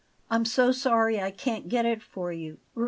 I'm so sorry I can't get it for you.